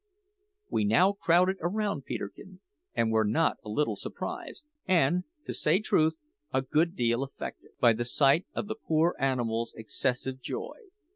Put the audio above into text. We now crowded around Peterkin, and were not a little surprised and, to say truth, a good deal affected by the sight of the poor animal's excessive joy.